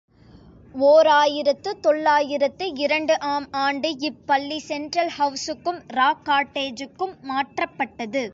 ஓர் ஆயிரத்து தொள்ளாயிரத்து இரண்டு ஆம் ஆண்டு இப்பள்ளி செண்ட்ரல் ஹவுசுக்கும் ராக் காட்டேஜு க்கும் மாற்றப்பட்டது.